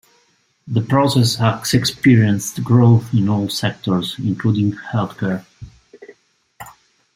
The process has experienced growth in all sectors, including healthcare.